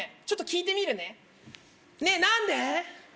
ちょっと聞いてみるねねえ何で？